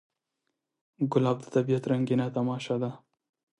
ګلاب د طبیعت رنګین تماشه ده.